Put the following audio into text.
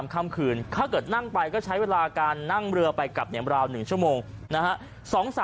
ถ้าเกิดนั่งไปก็ใช้เวลาการนั่งเรือไปกลับเนียมราว๑ชั่วโมง